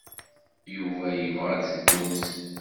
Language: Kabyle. Yuba yebɣa ad teddumt.